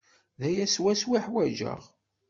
D aya swaswa i uḥwajeɣ.